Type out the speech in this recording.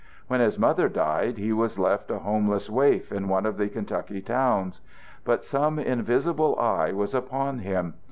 When his mother died he was left a homeless waif in one of the Kentucky towns. But some invisible eye was upon him.